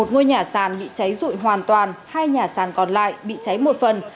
một ngôi nhà sàn bị cháy rụi hoàn toàn hai nhà sàn còn lại bị cháy một phần